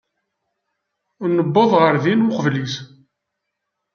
Nuweḍ ɣer din uqbel-is.